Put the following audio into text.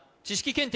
検定